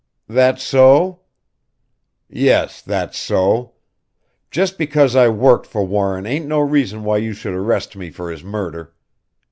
"That so?" "Yes that's so. Just because I worked for Warren ain't no reason why you should arrest me for his murder.